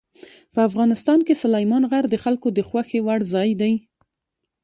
په افغانستان کې سلیمان غر د خلکو د خوښې وړ ځای دی.